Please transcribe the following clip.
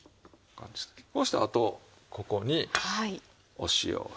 そうしてあとここにお塩をして。